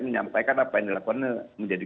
menyampaikan apa yang dilakukan menjadi